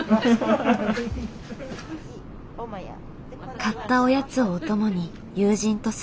買ったおやつをお供に友人と過ごす。